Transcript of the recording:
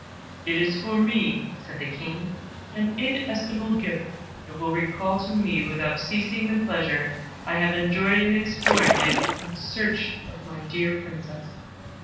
"It is for me," said the King, "an inestimable gift it will recall to me without ceasing the pleasure I have enjoyed in exploring it in search of my dear Princess."